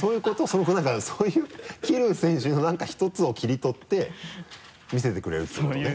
その何かそういう桐生選手の何か１つを切り取って見せてくれるっていうことね？